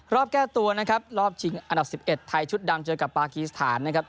รอบแก้ตัวนะครับรอบชิงอันดับ๑๑ไทยชุดดำเจอกับปากีสถานนะครับ